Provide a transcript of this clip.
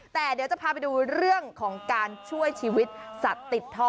แต่เดี๋ยวจะพาไปดูเรื่องของการช่วยชีวิตสัตว์ติดท่อ